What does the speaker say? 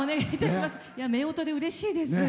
めおとで、うれしいです。